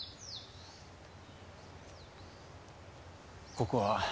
ここは。